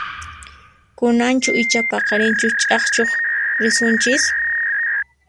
Kunanchu icha paqarinchu chakchuq risunchis?